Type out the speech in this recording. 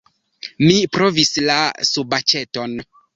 Mi provis la subaĉeton.